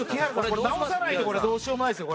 これ直さないとどうしようもないすよ